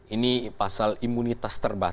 ini pasal imunitas tersebut